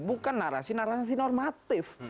bukan narasi narasi normatif